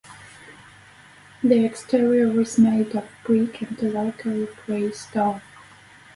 The exterior is made of brick and local gray stone.